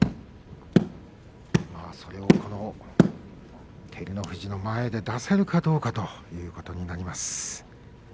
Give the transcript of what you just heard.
それを照ノ富士の前で出せるかどうかということになります。